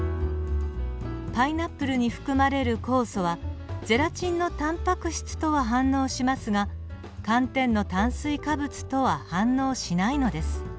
パイナップルに含まれる酵素はゼラチンのタンパク質とは反応しますが寒天の炭水化物とは反応しないのです。